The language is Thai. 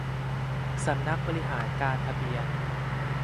สำนักบริหารการทะเบียน